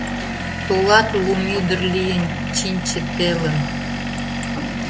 Толат, лумӱдыр лийын, чинче телым.